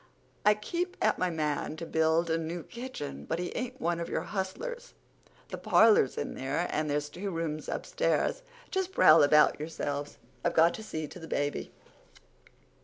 I keep at my man to build a new kitchen, but he ain't one of your hustlers. The parlor's in there and there's two rooms upstairs. Just prowl about yourselves. I've got to see to the baby.